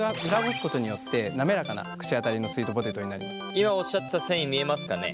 今おっしゃってた繊維見えますかね。